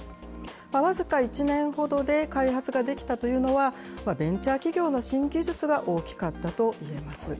僅か１年ほどで開発ができたというのは、ベンチャー企業の新技術が大きかったといえます。